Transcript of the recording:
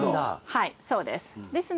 はいそうです。